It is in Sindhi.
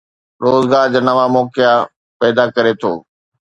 روزگار جا نوان موقعا پيدا ڪري ٿو.